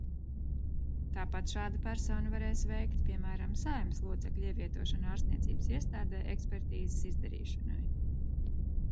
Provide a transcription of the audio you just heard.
Tāpat šāda persona varēs veikt, piemēram, Saeimas locekļa ievietošanu ārstniecības iestādē ekspertīzes izdarīšanai.